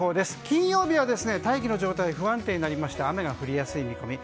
金曜日は大気の状態が不安定になりまして雨が降りやすい見込み。